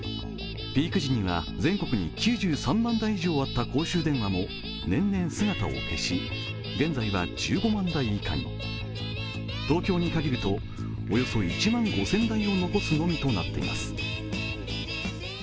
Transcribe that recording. ピーク時には全国に９３万台以上あった公衆電話も年々姿を消し、現在は１５万台以下に東京に限るとおよそ１万５０００台を残すのみとなっています。